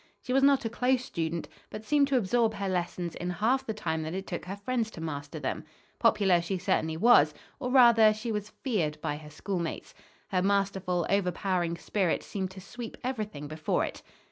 She was not a close student, but seemed to absorb her lessons in half the time that it took her friends to master them. Popular she certainly was, or rather she was feared by her schoolmates. Her masterful, overpowering spirit seemed to sweep everything before it.